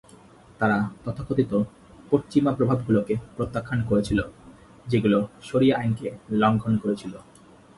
তারা তথাকথিত পশ্চিমা প্রভাবগুলোকে প্রত্যাখ্যান করেছিল, যেগুলো শরিয়া আইনকে লঙ্ঘন করেছিল।